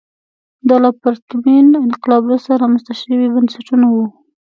دا له پرتمین انقلاب وروسته رامنځته شوي بنسټونه وو.